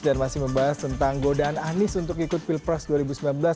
dan masih membahas tentang godaan anies untuk ikut pilpres dua ribu sembilan belas